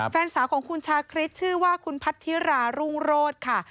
แฟนสาวของคุณชาคริสชื่อว่าคุณพัทธิรารุ่งโรศค่ะ